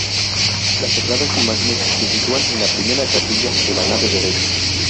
Las Sagradas Imágenes se sitúan en la primera capilla de la nave derecha.